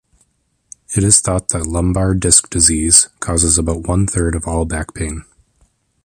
It is thought that lumbar disc disease causes about one-third of all back pain.